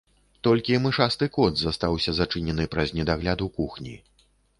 Толькі мышасты кот застаўся, зачынены праз недагляд у кухні.